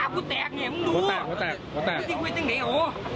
พูดแล้ว